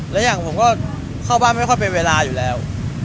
และอย่างผมก็เข้าบ้านไม่ค่อยเป็นเวลาอยู่แล้ว